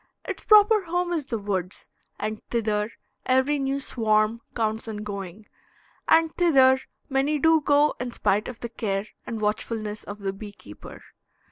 Its proper home is the woods, and thither every new swarm counts on going; and thither many do go in spite of the care and watchfulness of the bee keeper.